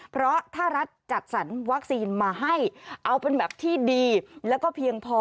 เพราะถ้ารัฐจัดสรรวัคซีนมาให้เอาเป็นแบบที่ดีแล้วก็เพียงพอ